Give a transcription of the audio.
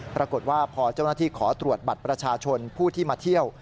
ปรากฏว่าพอเจ้าหน้าที่ขอตรวจบัตรประชาชนผู้ที่มาเที่ยว